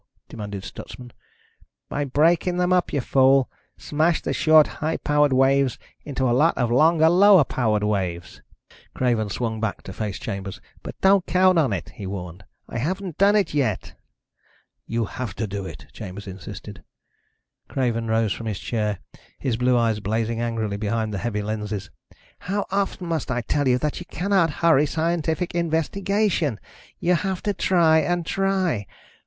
demanded Stutsman. "By breaking them up, you fool. Smash the short, high powered waves into a lot of longer, lower powered waves." Craven swung back to face Chambers. "But don't count on it," he warned. "I haven't done it yet." "You have to do it," Chambers insisted. Craven rose from his chair, his blue eyes blazing angrily behind the heavy lenses. "How often must I tell you that you cannot hurry scientific investigation? You have to try and try